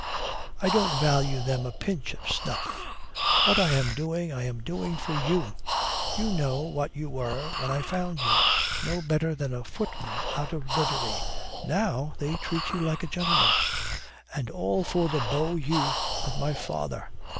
I don't value them a pinch of snuff. What I am doing, I am doing for you. You know what you were when I found you no better than a footman out of livery. Now, they treat you like a gentleman." "And all for the beaux yeux of my father.